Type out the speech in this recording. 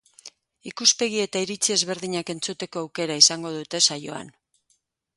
Ikuspegi eta iritzi ezberdinak entzuteko aukera izango dute saioan.